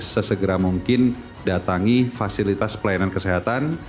sesegera mungkin datangi fasilitas pelayanan kesehatan